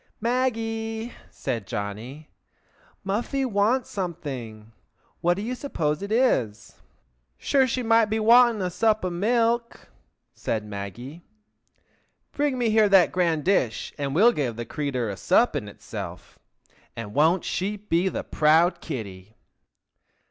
"Maggie," said Johnny, "Muffy wants something! What do you suppose it is?" "Sure she might be wanting a sup o' milk!" said Maggie. "Bring me here the grand dish and we'll give the crature a sup in itself, and won't she be the proud kitty!"